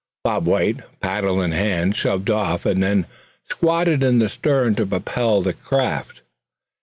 Bob White, paddle in hand, shoved off; and then squatted in the stern to propel the craft.